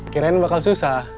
kirain bakal susah